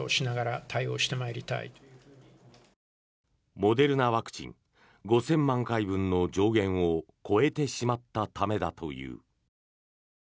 モデルナワクチン５０００万回分の上限を超えてしまったためだという。